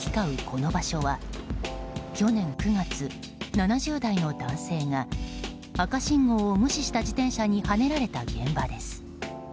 この場所は去年９月、７０代の男性が赤信号を無視した自転車にはねられた現場です。